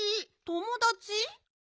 ともだち？